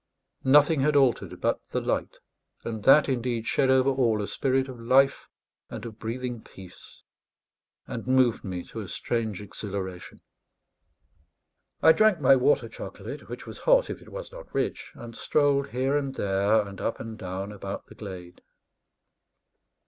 Nothing had altered but the light, and that, indeed, shed over all a spirit of life and of breathing peace, and moved me to a strange exhilaration. I drank my water chocolate, which was hot if it was not rich, and strolled here and there, and up and down about the glade.